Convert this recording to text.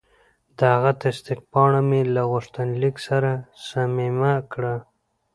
د هغه تصدیق پاڼه مې له غوښتنلیک سره ضمیمه کړه.